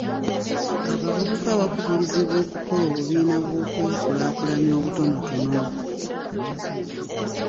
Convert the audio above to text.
Abavubuka bakubirizibwa okukola obubiina bw'okwekulaakulanya obutonotono.